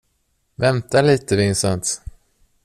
Vänta lite, Vincent!